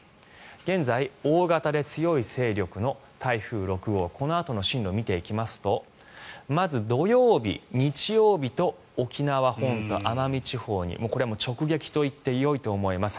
現在、大型で強い勢力の台風６号このあとの進路を見ていきますとまず土曜日、日曜日と沖縄本島、奄美地方にこれは直撃と言ってよいと思います。